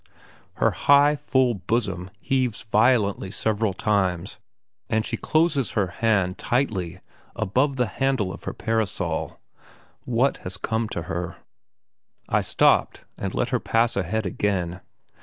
Her high, full bosom heaves violently several times, and she closes her hand tightly above the handle of her parasol. What has come to her? I stopped, and let her pass ahead again.